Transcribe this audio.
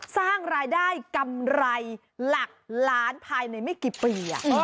สร้างรายได้กำไรหลักล้านภายในไม่กี่ปี